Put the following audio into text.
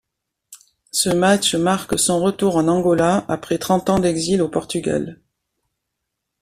Ce match marque son retour en Angola après trente ans d'exil au Portugal.